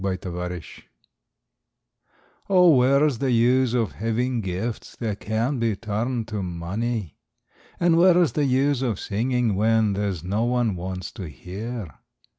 WHERE'S THE USE Oh, where's the use of having gifts that can't be turned to money? And where's the use of singing, when there's no one wants to hear?